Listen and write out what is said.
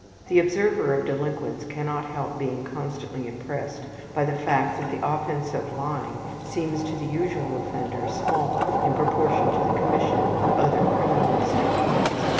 The observer of delinquents cannot help being constantly impressed by the fact that the offense of lying seems to the usual offender small in proportion to the commission of other criminalistic deeds.